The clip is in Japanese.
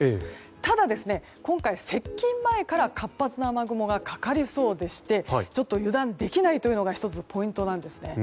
ただ今回接近前から活発な雨雲がかかりそうでしてちょっと油断できないというのが１つポイントなんです。